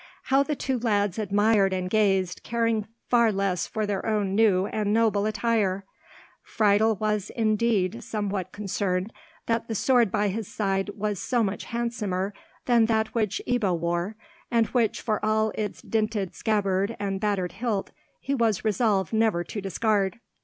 How the two lads admired and gazed, caring far less for their own new and noble attire! Friedel was indeed somewhat concerned that the sword by his side was so much handsomer than that which Ebbo wore, and which, for all its dinted scabbard and battered hilt, he was resolved never to discard.